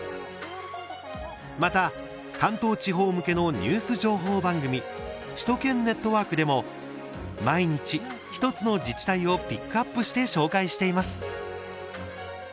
また、関東地方向けのニュース情報番組「首都圏ネットワーク」でも毎日１つの自治体をピックアップして紹介しています。